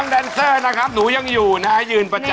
วันที่เธอพบมันในหัวใจฉัน